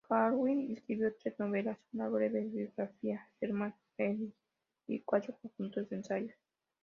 Hardwick escribió tres novelas, una breve biografía, "Herman Melville", y cuatro conjuntos de ensayos.